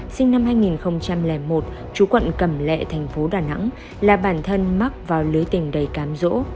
sinh năm hai nghìn một chú quận cẩm lệ thành phố đà nẵng là bản thân mắc vào lưới tình đầy cám rỗ